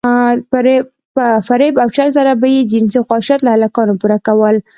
په فريب او چل سره به يې جنسي خواهشات له هلکانو پوره کول.